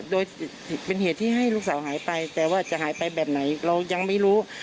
โดยเป็นเหตุที่ให้ลูกสาวหายไปแต่ว่าจะหายไปแบบไหนเรายังไม่รู้